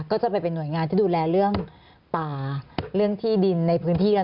ก็จะไปเป็นห่วยงานที่ดูแลเรื่องป่าเรื่องที่ดินในพื้นที่